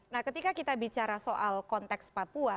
nah ketika kita bicara soal konteks papua